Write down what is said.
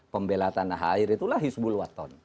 pembela tanah air itulah hizbul waton